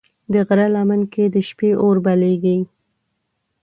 د غره لمن کې د شپې اور بلېږي.